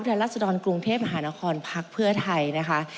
วิทยารัฐสุดรณกรุงเทพฯมหานครพักเพื้อไทยนะคะ